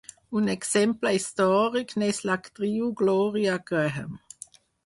Un exemple històric n'és l'actriu Gloria Grahame.